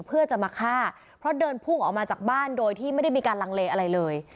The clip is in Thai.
เพื่อจะมาฆ่าเพราะเดินพุ่งออกมาจากบ้านโดยที่ไม่ได้มีการลังเลอะไรเลย